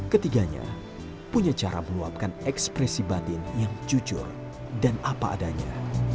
ketiganya punya cara meluapkan ekspresi batin yang jujur dan apa adanya